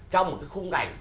trong một cái khung cảnh